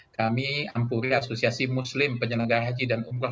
kami ampuri asosiasi muslim penyelenggara haji dan umroh